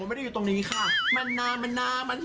วันนี้เกี่ยวกับกองถ่ายเราจะมาอยู่กับว่าเขาเรียกว่าอะไรอ่ะนางแบบเหรอ